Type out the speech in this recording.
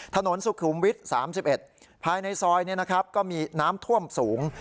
ถนนสุขุมวิทย์๓๑ภายในซอยก็มีน้ำท่วมสูง